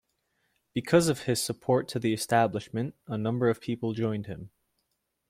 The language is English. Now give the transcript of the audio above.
Because of his support to the establishment, a number of people joined him.